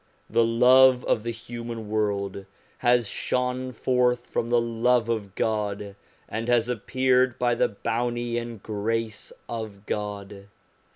The love of the human world has shone forth from the love of God, and has appeared by the bounty and grace of God.